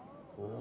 お！